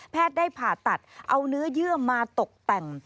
ได้ผ่าตัดเอาเนื้อเยื่อมาตกแต่ง